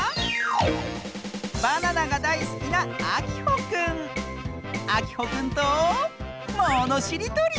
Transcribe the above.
バナナがだいすきなあきほくんとものしりとり！